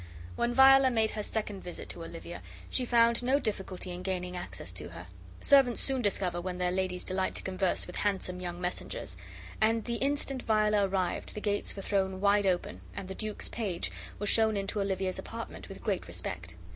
When Viola made her second visit to Olivia she found no difficulty in gaining access to her. Servants soon discover when their ladies delight to converse with handsome young messengers; and the instant Viola arrived the gates were thrown wide open, and the duke's page was shown into Olivia's apartment with great respect.